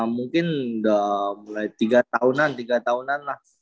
mungkin udah mulai tiga tahunan tiga tahunan lah